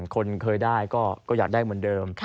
คนเคยได้ก็อยากได้เหมือนเดิม